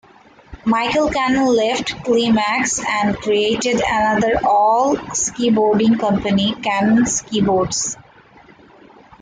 Michael Canon left Klimax and created another all skiboarding company, Canon Skiboards.